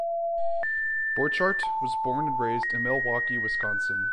Borchardt was born and raised in Milwaukee, Wisconsin.